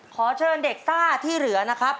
ขอเชิญเด็กซ่าที่เหลือนะครับ